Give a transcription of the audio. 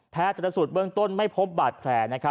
แพทย์แต่สูตรเบื้องต้นไม่พบบาดแผลนะครับ